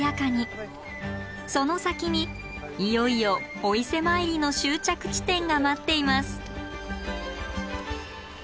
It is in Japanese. その先にいよいよお伊勢参りの終着地点が待っています。